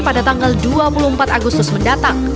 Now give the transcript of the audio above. pada tanggal dua puluh empat agustus mendatang